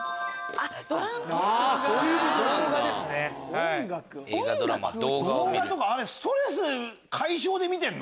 あっ動画とかストレス解消で見てるの？